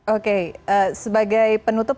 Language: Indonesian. oke sebagai penutup